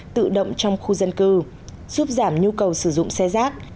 tự động trong khu dân cư giúp giảm nhu cầu sử dụng xe rác